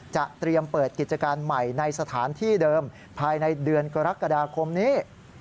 เตรียมเปิดกิจการใหม่ในสถานที่เดิมภายในเดือนกรกฎาคมนี้